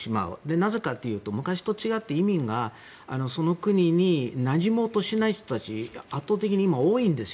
なぜかというと昔と違って移民がその国になじもうとしない人たちが圧倒的に今、多いんですよ。